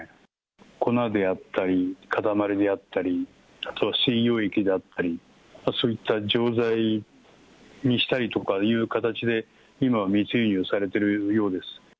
粉であったり、塊であったり、あるいは水溶液であったり、そういった錠剤にしたりとかいう形で、今は密輸入されてるようです。